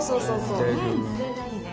うん。